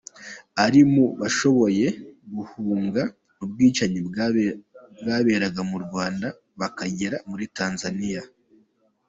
Ari mu bashoboye guhunga ubwicanyi bwaberaga mu Rwanda bakagera muri Tanzania.